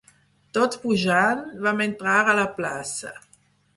Tot pujant, vam entrar a la plaça